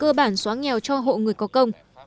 có một mươi tỉnh cơ bản xóa nghèo cho hộ người có công